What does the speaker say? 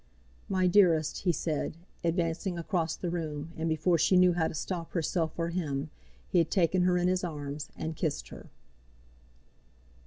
"My dearest," he said, advancing across the room, and before she knew how to stop herself or him, he had taken her in his arms and kissed her.